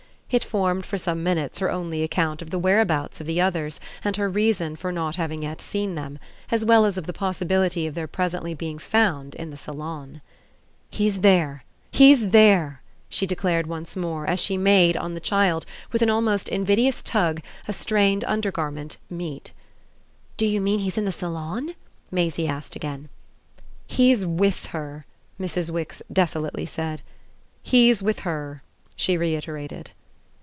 It formed for some minutes her only account of the whereabouts of the others and her reason for not having yet seen them, as well as of the possibility of their presently being found in the salon. "He's there he's there!" she declared once more as she made, on the child, with an almost invidious tug, a strained undergarment "meet." "Do you mean he's in the salon?" Maisie asked again. "He's WITH her," Mrs. Wix desolately said. "He's with her," she reiterated.